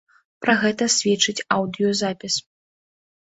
Пра гэта сведчыць аўдыёзапіс.